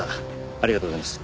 ありがとうございます。